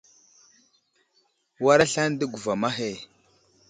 War aslane di guvam ahe.